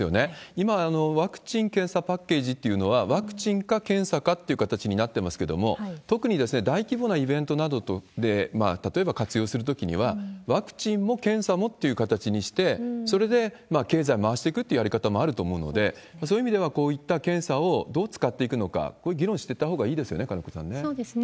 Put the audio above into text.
今、ワクチン・検査パッケージというのは、ワクチンか検査かっていう形になってますけれども、特に大規模なイベントなどで例えば活用するときには、ワクチンも検査持っていう形にして、それで経済回していくっていうやり方もあると思うので、そういう意味では、こういった検査をどう使っていくのか、これ、議論していったほうがいいですよね、そうですね。